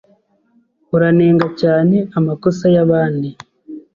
Uranenga cyane amakosa yabandi.